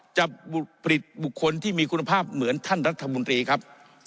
จะผลิตบุคคลที่มีคุณภาพเหมือนท่านรัฐมนตรีครับ